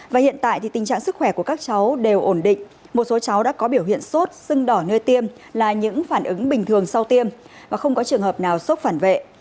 và hiện tại tình trạng sức khỏe của các cháu đều ổn định một số cháu đã có biểu hiện sốt sưng đỏ nơi tiêm là những phản ứng bình thường sau tiêm và không có trường hợp nào sốt phản vệ